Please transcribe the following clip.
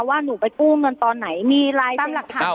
ว่าหนูไปกู้เงินตอนไหนมีลายเป็นหลักฐาน